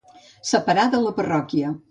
Separar de la parròquia.